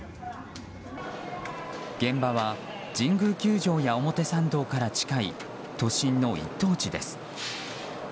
現場は神宮球場や表参道から近い都心の一等地です。